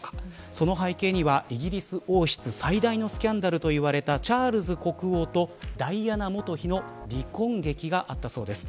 その背景にはイギリス王室最大のスキャンダルと言われたチャールズ国王とダイアナ元妃の離婚劇があったそうです。